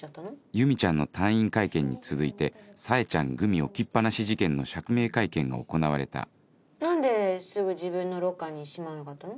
由美ちゃんの退院会見に続いて「サエちゃんグミ置きっ放し事件」の釈明会見が行われた何ですぐ自分のロッカーにしまわなかったの？